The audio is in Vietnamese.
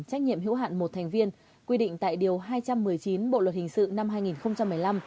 trách nhiệm hữu hạn một thành viên quy định tại điều hai trăm một mươi chín bộ luật hình sự năm hai nghìn một mươi năm